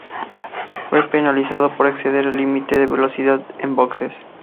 Fue penalizado por exceder el límite de velocidad en boxes.